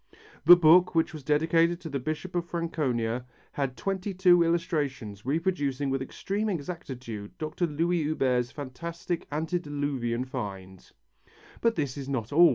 The book, which was dedicated to the Bishop of Franconia, had twenty two illustrations reproducing with extreme exactitude Dr. Louis Huber's fantastic antediluvian find. But this is not all.